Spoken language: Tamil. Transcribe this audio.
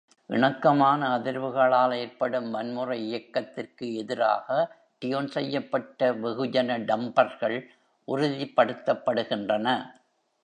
இணக்கமான அதிர்வுகளால் ஏற்படும் வன்முறை இயக்கத்திற்கு எதிராக டியூன் செய்யப்பட்ட வெகுஜன டம்பர்கள் உறுதிப்படுத்தப்படுகின்றன.